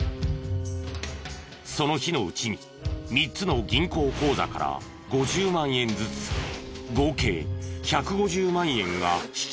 その日のうちに３つの銀行口座から５０万円ずつ合計１５０万円が引き出されていた。